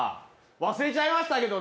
忘れちゃいましたけどね。